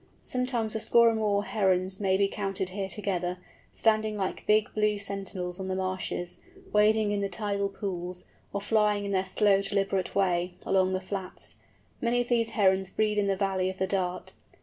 Sometimes a score or more Herons may be counted here together, standing like big blue sentinels on the marshes, wading in the tidal pools, or flying in their slow deliberate way, above the flats. Many of these Herons breed in the valley of the Dart.